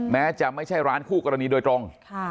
แม้จะไม่ใช่ร้านคู่กรณีโดยตรง